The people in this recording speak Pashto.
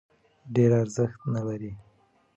ډېر ارزښت نه لري.